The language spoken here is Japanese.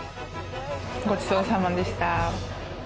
ごちそうさまでした。